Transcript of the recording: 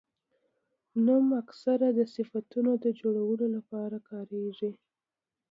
نوم اکثره د صفتونو د جوړولو له پاره کاریږي.